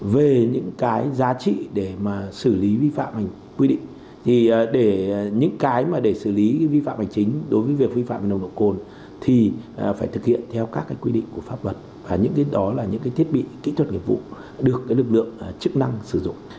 về những cái giá trị để mà xử lý vi phạm hành quy định thì để những cái mà để xử lý vi phạm hành chính đối với việc vi phạm nồng độ cồn thì phải thực hiện theo các cái quy định của pháp luật và những cái đó là những cái thiết bị kỹ thuật nghiệp vụ được lực lượng chức năng sử dụng